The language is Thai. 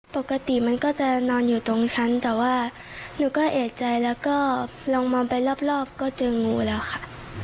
ปกติมันก็จะนอนอยู่ตรงชั้นแต่ว่าหนูก็เอกใจแล้วก็ลองมองไปรอบก็เจองูแล้วค่ะ